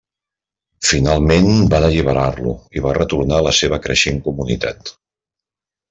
Finalment, van alliberar-lo i va retornar a la seva creixent comunitat.